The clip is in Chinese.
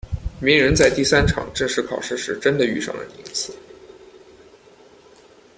鸣人在第三场正式考试时真的遇上了宁次。